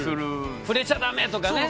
触れちゃダメとかね？